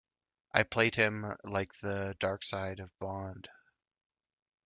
I played him like the dark side of Bond.